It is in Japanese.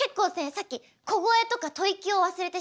さっき小声とか吐息を忘れてしまった方